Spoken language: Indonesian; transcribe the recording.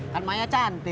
kan maya cantik